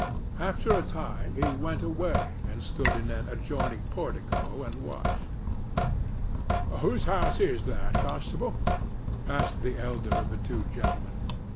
After a time, he went away and stood in an adjoining portico and watched. "Whose house is that, Constable?" asked the elder of the two gentlemen. "Mr.